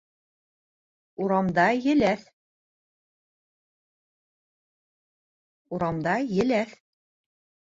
У рамда еләҫ